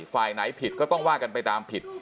ฝ่ายไหนผิดก็ต้องว่ากันไปตามผิด